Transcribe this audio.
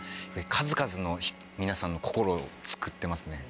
数々の皆さんの心をつくってますね。